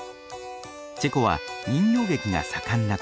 チェコは人形劇が盛んな国。